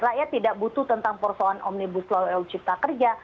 rakyat tidak butuh tentang persoalan omnibus law cipta kerja